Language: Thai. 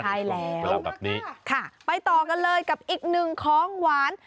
ใช่แล้วแบบนี้ค่ะไปต่อกันเลยกับอีกหนึ่งของหวาน